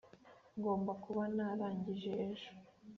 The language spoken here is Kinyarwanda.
Ngomba kuba narangije ejo